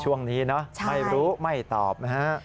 ช่วงนี้เนอะไม่รู้ไม่ตอบนะฮะ